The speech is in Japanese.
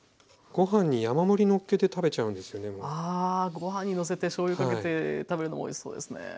ごはんにのせてしょうゆかけて食べるのもおいしそうですね。